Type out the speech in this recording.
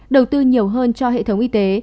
đầu tư nhiều hơn cho hệ thống y tế